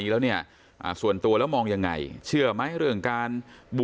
เดี๋ยวลองฟังดูนะครับ